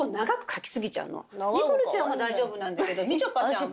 ニコルちゃんは大丈夫なんだけどみちょぱちゃんは。